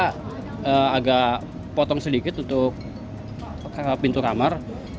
saya agak potong sedikit untuk pintu kamar